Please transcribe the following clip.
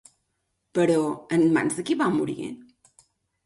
Però, en mans de qui va morir?